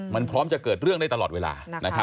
มันพร้อมจะเกิดเรื่องได้ตลอดเวลา